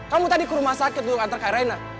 kamu tadi ke rumah sakit untuk antar kak raina